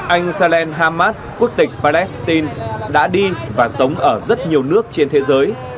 anh salen hamas quốc tịch palestine đã đi và sống ở rất nhiều nước trên thế giới